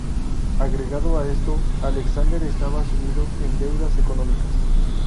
Agregado a esto, Alexander estaba sumido en deudas económicas.